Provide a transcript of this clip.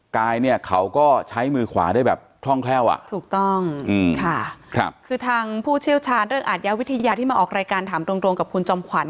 กายเนี่ยเขาก็ใช้มือขวาได้แบบคล่องแคล่วอ่ะถูกต้องค่ะคือทางผู้เชี่ยวชาญเรื่องอาทยาวิทยาที่มาออกรายการถามตรงกับคุณจอมขวัญ